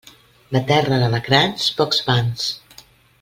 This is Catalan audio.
De terra d'alacrans, pocs pans.